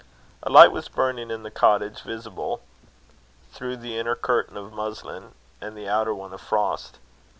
A light was burning in the cottage, visible through the inner curtain of muslin, and the outer one of frost.